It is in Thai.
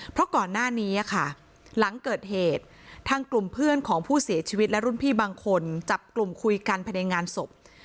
เพราะก่อนหน้านี้ค่ะหลังเกิดเหตุทางกลุ่มเพื่อนของผู้เสียชีวิตและรุ่นพี่บางคนจับกลุ่มคุยกันภายในงานศพ